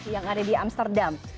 yang ada di amsterdam